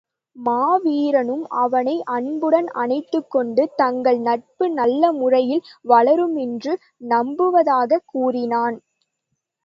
மாவீரனும் அவனை அன்புடன் அனைத்துக்கொண்டு தங்கள் நட்பு நல்ல முறையில் வளருமென்று நம்புவதாகக் கூறினான்.